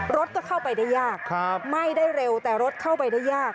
รถก็เข้าไปได้ยากไหม้ได้เร็วแต่รถเข้าไปได้ยาก